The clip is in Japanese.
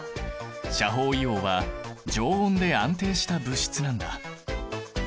斜方硫黄は常温で安定した物質なんだ。